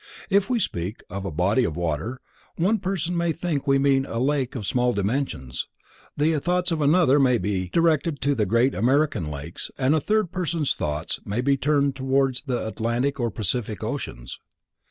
If we speak of a "body of water", one person may think we mean a lake of small dimensions, the thoughts of another may be directed to the great American Lakes and a third person's thoughts may be turned towards the Atlantic or Pacific Oceans.